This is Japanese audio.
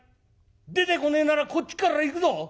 出てこねえならこっちから行くぞ。